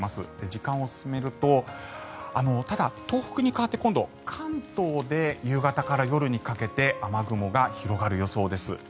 時間を進めるとただ、東北に代わって今度、関東で夕方から夜にかけて雨雲が広がる予想です。